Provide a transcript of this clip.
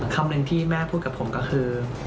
คำหนึ่งที่แม่พูดกับผมก็คือ